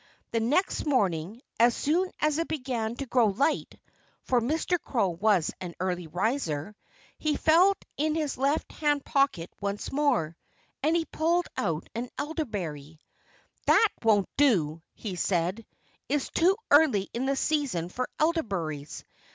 The next morning, as soon as it began to grow light (for Mr. Crow was an early riser), he felt in his left hand pocket once more. And he pulled out an elderberry. "That won't do!" he said. "It's too early in the season for elderberries."